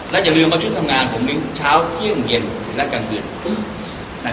และอย่าลืมว่าชุดทำงานผมลิ้งช้าเครื่องเย็นและกลางเงิน